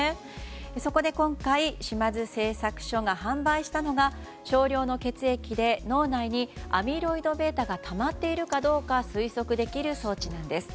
そこで今回、島津製作所が販売したのが少量の血液で脳内にアミロイドβがたまっているかどうか推測できる装置なんです。